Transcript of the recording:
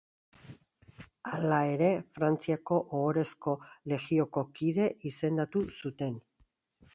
Hala ere, Frantziako Ohorezko Legioko kide izendatu zuten.